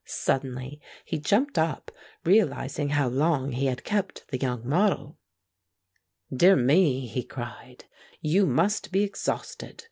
Suddenly he jumped up, realizing how long he had kept the young model. "Dear me," he cried, "you must be exhausted!"